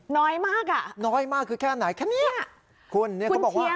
น้อยมากอะแค่นี้อะคุณเนี่ยเขาบอกว่า